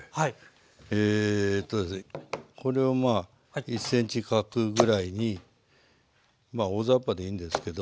えこれを１ｃｍ角ぐらいにまあ大ざっぱでいいんですけど。